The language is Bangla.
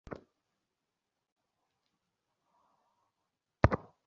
অপরপক্ষে শুনানিতে ছিলেন আইনজীবী মনজিল মোরসেদ।